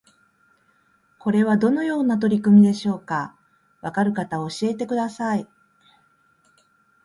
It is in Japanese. これはどのような取り組みでしょうか？わかる方教えてください